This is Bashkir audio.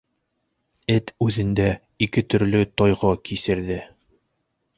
Эт үҙендә ике төрлө тойғо кисерҙе.